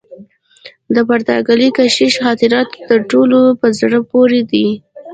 د پرتګالي کشیش خاطرات تر ټولو په زړه پوري دي.